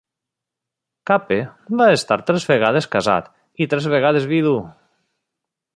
Cape va estar tres vegades casat i tres vegades vidu.